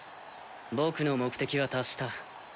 僕の目的は達した。